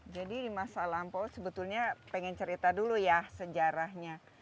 jadi di masa lampau sebetulnya ingin cerita dulu ya sejarahnya